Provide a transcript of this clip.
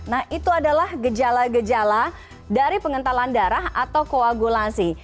nah itu adalah gejala gejala dari pengentalan darah atau koagulasi